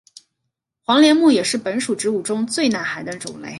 黄连木也是本属植物中最耐寒的种类。